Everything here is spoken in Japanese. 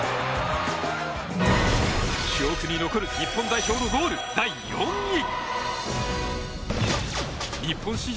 記憶に残る日本代表のゴール第４位。